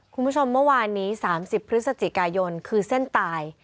คุณผู้ชมเมื่อวานนี้๓๐พฤศจิกายนคือเส้นตาย